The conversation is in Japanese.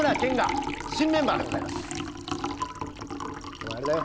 お前あれだよ。